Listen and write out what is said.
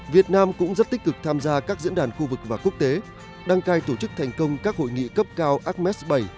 việt nam cũng rất tích cực tham gia các diễn đàn khu vực và quốc tế đăng cai tổ chức thành công các hội nghị cấp cao ames bảy